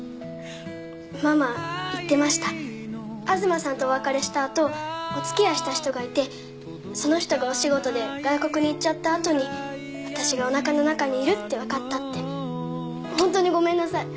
ママ言ってました東さんとお別れしたあとおつきあいした人がいてその人がお仕事で外国に行っちゃったあとに私がおなかの中にいるって分かったってほんとにごめんなさい